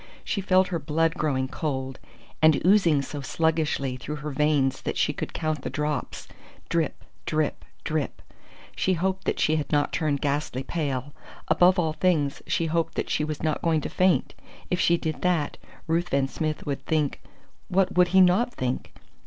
She felt her blood growing cold, and oozing so sluggishly through her veins that she could count the drops drip, drip, drip! She hoped that she had not turned ghastly pale. Above all things she hoped that she was not going to faint! If she did that, Ruthven Smith would think what would he not think?